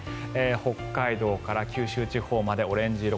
北海道から九州地方までオレンジ色。